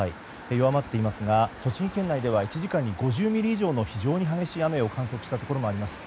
弱まっていますが栃木県内では１時間に５０ミリ以上の非常に激しい雨を観測したところもあります。